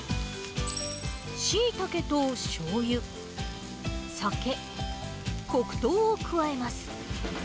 シイタケとしょうゆ、酒、黒糖を加えます。